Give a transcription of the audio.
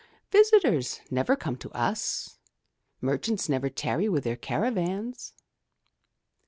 ''Visitors never come to us, merchants never tarry with their caravans.'